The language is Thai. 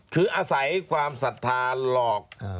คืออาศัยความสัตว์ทานหลอก